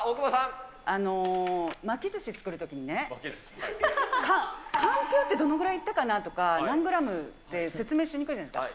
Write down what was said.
巻きずし作るときにね、かんぴょうってどのぐらいいったかなとか、何グラムって説明しにくいじゃないですか。